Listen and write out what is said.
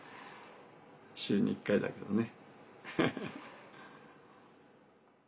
週に１回だけどね。